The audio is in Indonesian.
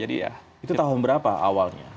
itu tahun berapa awalnya